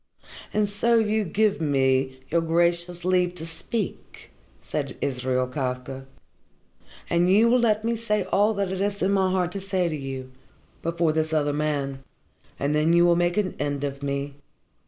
"And so you give me your gracious leave to speak," said Israel Kafka. "And you will let me say all that is in my heart to say to you before this other man. And then you will make an end of me.